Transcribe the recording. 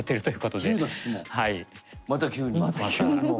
また急に。